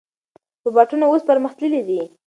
روباټونه اوس پرمختللي دي.